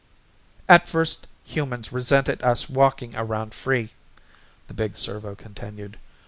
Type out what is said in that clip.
"At first humans resented us walking around free," the big servo continued.